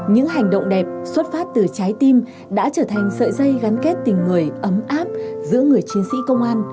những hành động đẹp xuất phát từ trái tim đã trở thành sợi dây gắn kết tình người ấm áp giữa người chiến sĩ công an